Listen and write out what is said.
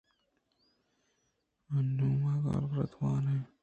نوں ما گالرداں وان ایں۔